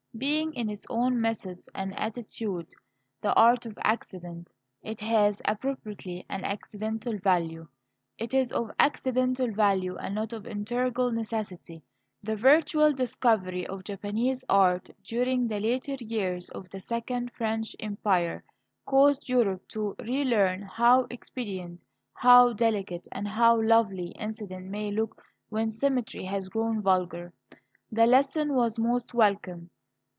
Being in its own methods and attitude the art of accident, it has, appropriately, an accidental value. It is of accidental value, and not of integral necessity. The virtual discovery of Japanese art, during the later years of the second French Empire, caused Europe to relearn how expedient, how delicate, and how lovely Incident may look when Symmetry has grown vulgar. The lesson was most welcome.